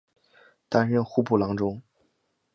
担任户部郎中。